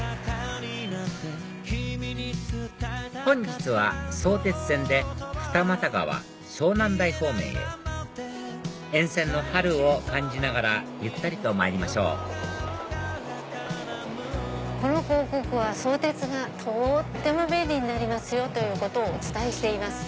本日は相鉄線で二俣川湘南台方面へ沿線の春を感じながらゆったりとまいりましょう「この広告は『相鉄がとっても便利になりますよっ』ということをお伝えしています」。